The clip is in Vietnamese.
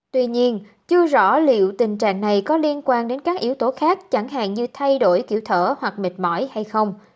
tuy nhiên chưa rõ liệu tình trạng này có liên quan đến các yếu tố khác chẳng hạn như thay đổi kiểu thở hoặc mệt mỏi hay không